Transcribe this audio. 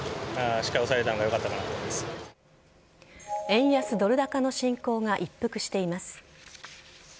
円安ドル高の進行が一服しています。